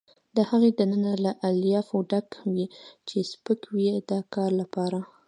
د هغې دننه له الیافو ډک وي چې سپک وي د کار لپاره.